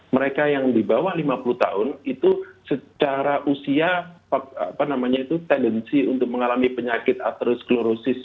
mereka yang di bawah lima puluh tahun itu secara usia tendensi untuk mengalami penyakit atherosklorosis